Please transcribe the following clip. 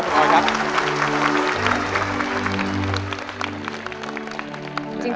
ขอบคุณมากค่ะคุณอยครับ